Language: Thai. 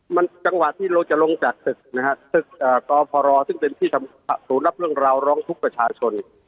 มันจังหวะที่เราจะลงจากตึกนะฮะตึกกพรซึ่งเป็นที่ศูนย์รับเรื่องราวร้องทุกข์ประชาชน